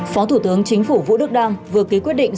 phó thủ tướng chính phủ vũ đức đam vừa ký quyết định